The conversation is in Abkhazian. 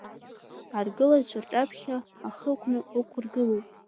Аргылаҩцәа рҿаԥхьа ахықәкы ықәыргылоуп…